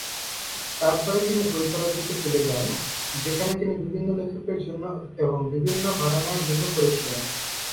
তারপরে তিনি বই পড়ার দিকে চলে যান, যেখানে তিনি বিভিন্ন লেখকের জন্য এবং বিভিন্ন ঘরানার জন্য পড়েছিলেন।